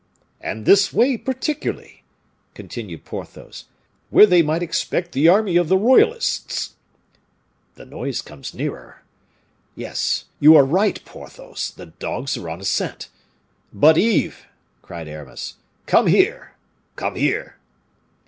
"And this way, particularly," continued Porthos, "where they might expect the army of the royalists." "The noise comes nearer. Yes, you are right, Porthos, the dogs are on a scent. But, Yves!" cried Aramis, "come here! come here!"